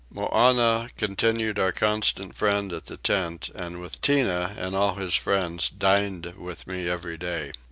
Moannah continued our constant friend at the tent and with Tinah and all his friends dined with me every day.